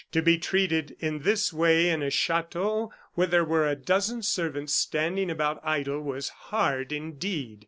To be treated in this way in a chateau where there were a dozen servants standing about idle was hard indeed.